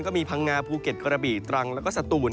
พังงาภูเก็ตกระบี่ตรังแล้วก็สตูน